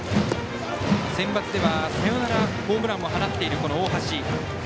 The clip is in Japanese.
センバツではサヨナラホームランも放っている大橋。